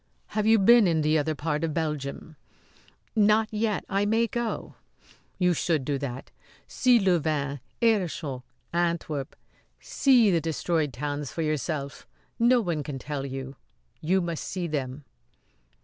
Have you been in the other part of Belgium?" "Not yet; I may go." "You should do that see Louvain, Aerschot, Antwerp see the destroyed towns for yourself. No one can tell you. You must see them."